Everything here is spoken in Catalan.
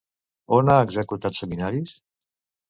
On ha executat seminaris?